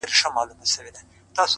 له شاتو نه؛ دا له شرابو نه شکَري غواړي؛